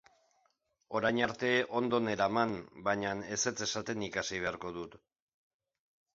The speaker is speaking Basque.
Orain arte ondo neraman, baina ezetz esaten ikasi beharko dut.